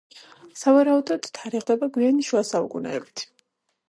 სავარაუდოდ, თარიღდება გვიანი შუა საუკუნეებით.